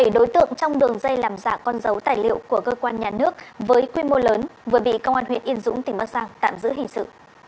bảy đối tượng trong đường dây làm giả con dấu tài liệu của cơ quan nhà nước với quy mô lớn vừa bị công an huyện yên dũng tỉnh bắc giang tạm giữ hình sự